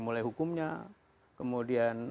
mulai hukumnya kemudian